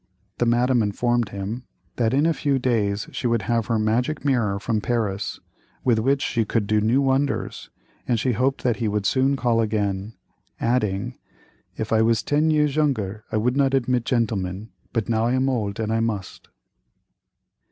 The Madame informed him that in a few days she would have her "Magic Mirror" from Paris, with which she could do new wonders, and she hoped that he would soon call again, adding, "If I was ten year younger I would not admit gentlemen, but now I am old and I must."